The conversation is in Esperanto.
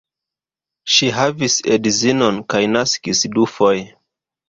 Ŝi havis edzon kaj naskis dufoje.